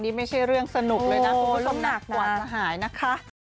นี่ไม่ใช่เรื่องสนุกเลยนะคุณผู้ชมหนักกว่าจะหายนะคะ